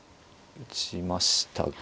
打ちましたが。